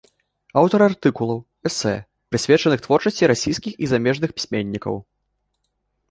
Аўтар артыкулаў, эсэ прысвечаных творчасці расійскіх і замежных пісьменнікаў.